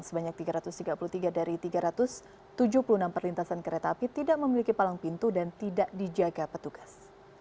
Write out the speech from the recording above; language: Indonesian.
sebanyak tiga ratus tiga puluh tiga dari tiga ratus tujuh puluh enam perlintasan kereta api tidak memiliki palang pintu dan tidak dijaga petugas